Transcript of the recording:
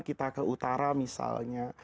kita ke utara misalnya